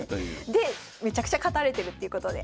でめちゃくちゃ勝たれてるっていうことで。